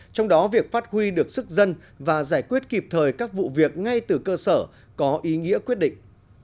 trong đó việc phát huy được sức dân và giải quyết kịp thời các vụ việc ngay từ cơ sở có ý nghĩa quyết định